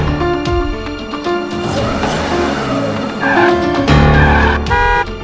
semoga tidak seperti yang aku pikirkan